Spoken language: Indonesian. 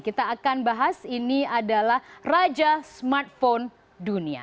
kita akan bahas ini adalah raja smartphone dunia